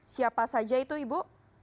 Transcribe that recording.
siapa saja itu ibu